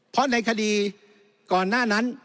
เพราะในคดีก่อนหน้านั้น